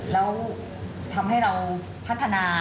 แล้วทำให้เราพัฒนา